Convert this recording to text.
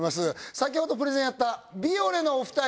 先ほどプレゼンやった美俺のお二人。